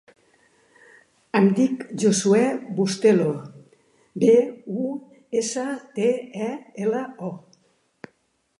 Em dic Josuè Bustelo: be, u, essa, te, e, ela, o.